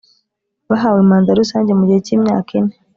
Bahawe manda Rusange mu gihe cy imyaka ine